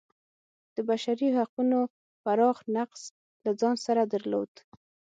د بشري حقونو پراخ نقض له ځان سره درلود.